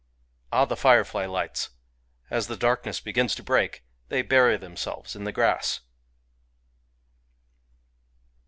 Ah, the firefly lights ! As the darkness begins to break, they bury themselves in the grass.